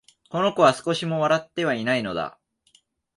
この子は、少しも笑ってはいないのだ